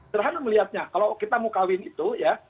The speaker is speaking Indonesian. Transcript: sederhana melihatnya kalau kita mau kawin itu ya